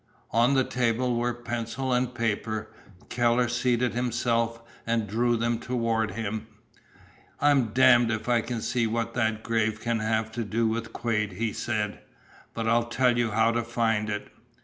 On the table were pencil and paper. Keller seated himself and drew them toward him. "I'm damned if I can see what that grave can have to do with Quade," he said; "but I'll tell you how to find it!"